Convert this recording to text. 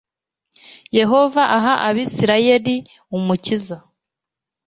yehova aha abisirayeli umukiza